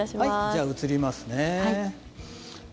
じゃあ、移りますね。